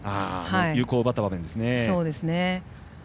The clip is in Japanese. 有効を奪った場面ですね。